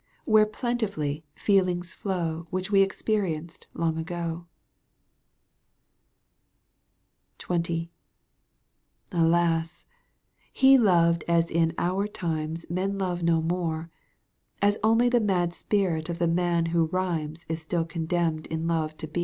Where plentifully feelings flow Which we experienced long ago. XX Alas ! he loved as in our times Men love no more, as only the Mad spirit of the man who rhymes Is still condemned in love to be ; Digitized by VjOOQ 1С CANTO П.